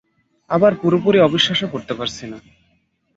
আবার পুরোপুরি অবিশ্বাসও করতে পারছি না।